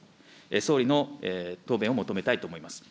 総理の答弁を求めたいと思います。